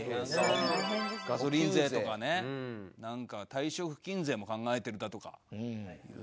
ガソリン税とかねなんか退職金税も考えてるだとか。